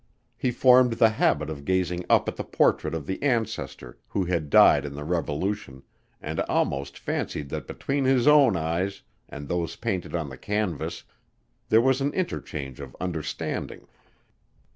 He formed the habit of gazing up at the portrait of the ancestor who had died in the revolution and almost fancied that between his own eyes and those painted on the canvas there was an interchange of understanding.